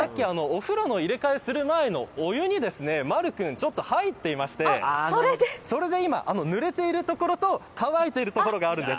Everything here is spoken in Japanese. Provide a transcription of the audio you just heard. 実はさっき、お風呂の入れ替えする前のお湯にまる君、ちょっと入っていましてそれで今、ぬれているところと乾いているところがあるんです。